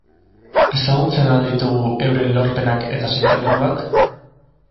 Ezagutzen al ditugu euren lorpenak eta sentimenduak?